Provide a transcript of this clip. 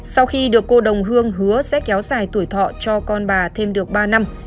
sau khi được cô đồng hương hứa sẽ kéo dài tuổi thọ cho con bà thêm được ba năm